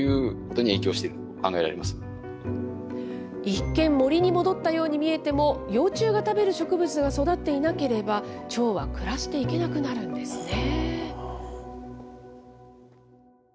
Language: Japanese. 一見、森に戻ったように見えても、幼虫が食べる植物が育っていなければ、チョウは暮らしていけなくなるんですね。